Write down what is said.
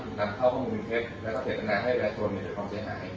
นำเข้าข้อมูลเท็จแล้วก็เศรษฐนาให้แวดโทนจากความเสียหาย